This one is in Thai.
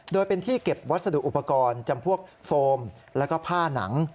โดยเป็นที่เก็บวัสดุอุปกรณ์จำพวกโฟมแล้วก็ผ้าหนัง